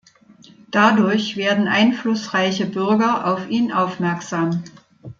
Dadurch werden einflussreiche Bürger auf ihn aufmerksam.